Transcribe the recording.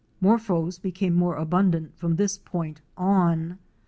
Morphos became more abundant from this point on.